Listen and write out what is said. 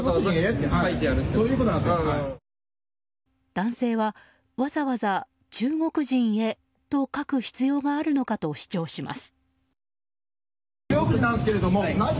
男性はわざわざ「中国人へ。」と書く必要があるのかと主張します。